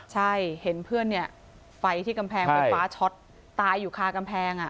ใช่เห็นเพื่อนเนี่ยไฟที่กำแพงไฟฟ้าช็อตตายอยู่คากำแพง